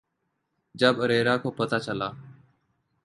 جب ارے راہ کو پتہ چلا